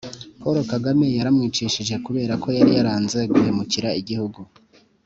paul kagame yaramwicishije kubera ko yari yaranze guhemukira igihugu